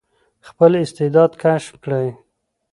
خپل استعداد کشف کړئ.